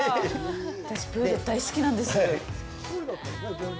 私、プール、大好きなんです。